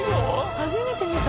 初めて見た。